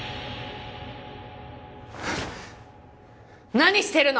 何してるの！